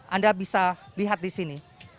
anda bisa lihat di sini